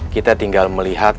kita tinggal melihat